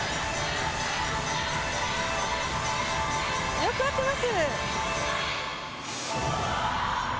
よく合ってます。